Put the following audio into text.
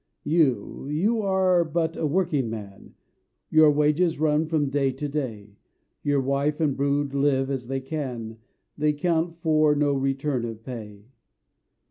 You you are but a working man! Your wages run from day to day, Your wife and brood live as they can; They count for no return of pay.